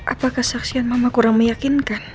apakah saksian mama kurang meyakinkan